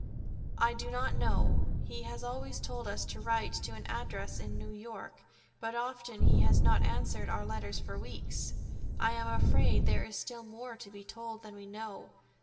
"I do not know. He has always told us to write to an address in New York, but often he has not answered our letters for weeks. I am afraid there is still more to be told than we know.